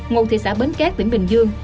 ngô thị xã bến cát tỉnh bình dương